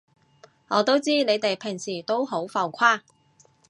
我都知你哋平時都好浮誇